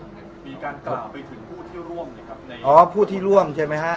มีการกล่าวไปถึงผู้ที่ร่วมนะครับในอ๋อผู้ที่ร่วมใช่ไหมฮะ